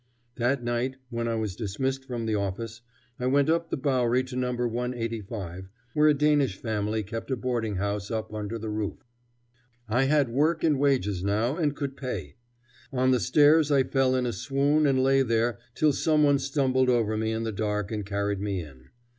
That night, when I was dismissed from the office, I went up the Bowery to No. 185, where a Danish family kept a boarding house up under the roof. I had work and wages now, and could pay. On the stairs I fell in a swoon and lay there till some one stumbled over me in the dark and carried me in.